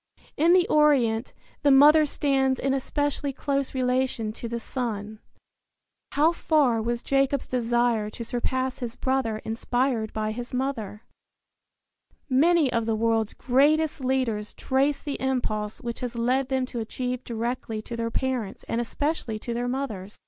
In the Orient the mother stands in especially close relation to the son. How far was Jacob's desire to surpass his brother inspired by his mother? Many of the world's greatest leaders trace the impulse which has led them to achieve directly to their parents and especially to their mothers.